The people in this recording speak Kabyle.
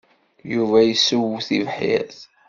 Yuba yessew tibḥirt.